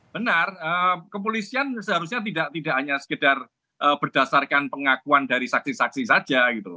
benar kepolisian seharusnya tidak hanya sekedar berdasarkan pengakuan dari saksi saksi saja gitu